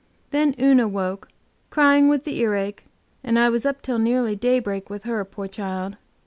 Then Una woke, crying with the earache, and I was up till nearly daybreak with her, poor child.